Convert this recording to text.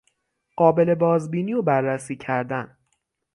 قابل بازبینی و بررسی کردن